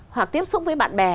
hoặc tiếp xúc với bạn bè